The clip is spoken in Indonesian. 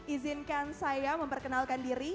izinkan saya memperkenalkan diri